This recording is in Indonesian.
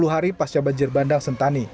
sepuluh hari pasca banjir bandang sentani